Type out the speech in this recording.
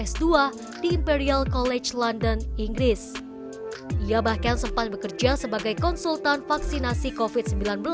s dua di imperial college london inggris ia bahkan sempat bekerja sebagai konsultan vaksinasi kofit sembilan belas